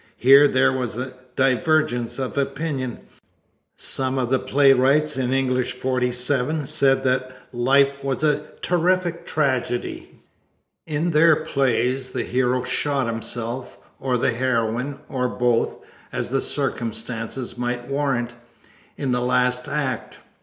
Here there was a divergence of opinion. Some of the playwrights in English 47 said that Life was a terrific tragedy. In their plays the hero shot himself, or the heroine, or both, as the circumstances might warrant, in the last act.